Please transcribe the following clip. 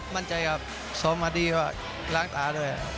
มั่นใจครับซ้อมมาดีว่าล้างตาด้วย